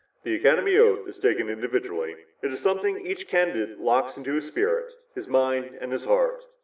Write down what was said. "The Academy oath is taken individually. "It is something each candidate locks in his spirit, his mind and his heart.